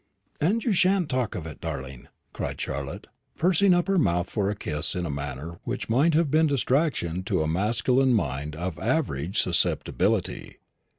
"And you shan't talk of it, darling," cried Charlotte, pursing up her mouth for a kiss in a manner which might have been distraction to a masculine mind of average susceptibility.